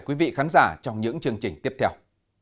xin chào và hẹn gặp lại